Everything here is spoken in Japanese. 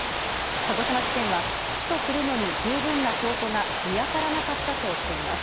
鹿児島地検は起訴するのに十分な証拠が見当たらなかったとしています。